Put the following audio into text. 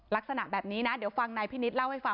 ลักษณะแบบนี้นะเดี๋ยวฟังนายพินิศเล่าให้ฟัง